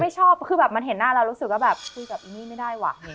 ชอบคือแบบมันเห็นหน้าเรารู้สึกว่าแบบคุยกับเอมมี่ไม่ได้ว่ะ